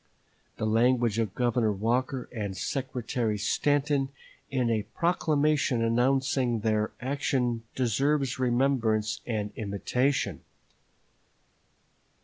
The language of Governor Walker and Secretary Stanton in a proclamation announcing their action deserves remembrance and imitation.